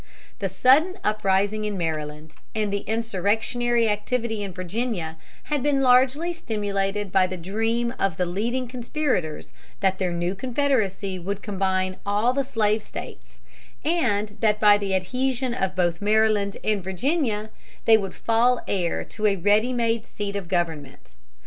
The sudden uprising in Maryland and the insurrectionary activity in Virginia had been largely stimulated by the dream of the leading conspirators that their new confederacy would combine all the slave States, and that by the adhesion of both Maryland and Virginia they would fall heir to a ready made seat of government.